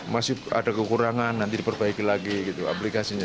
masih ada kekurangan nanti diperbaiki lagi gitu aplikasinya